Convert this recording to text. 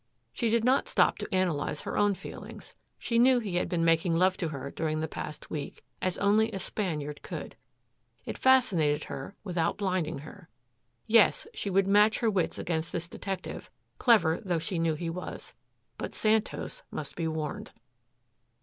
She did not stop to analyze her own feelings. She knew he had been making love to her during the past week as only a Spaniard could. It fascinated her without blinding her. Yes, she would match her wits against this detective, clever though she knew he was. But Santos must be warned.